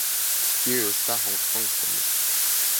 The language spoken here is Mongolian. Битгий уйл даа хонгорхон охин минь.